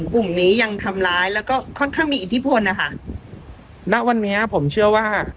กลุ่มนี้ยังทำร้ายแล้วก็ค่อนข้างมีอิทธิพลนะคะณวันนี้ผมเชื่อว่า